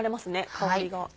香りが。